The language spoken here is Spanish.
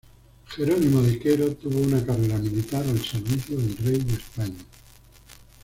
Jerónimo de Quero tuvo una carrera militar al servicio del rey de España.